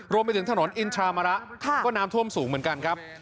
รวมไปถึงถนนอินทรามระก็น้ำท่วมสูงเหมือนกันครับ